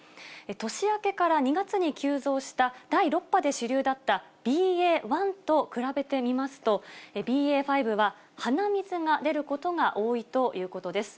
年明けから２月に急増した第６波で主流だったＢＡ．１と比べてみますと、ＢＡ．５は鼻水が出ることが多いということです。